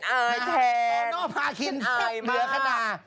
ตัโนะมากินเสื้อเหนือขนาด